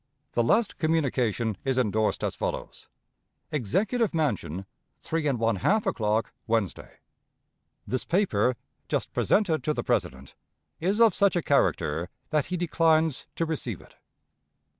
The last communication is endorsed as follows: Executive Mansion, 3½ o'clock, Wednesday. This paper, just presented to the President, is of such a character that he declines to receive it.